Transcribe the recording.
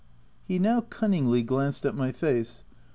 He now cunningly glanced at my face.